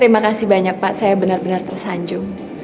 bagaimana kamu bisa tahu